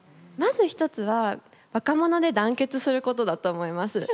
まず一つは若者で団結することだと思います。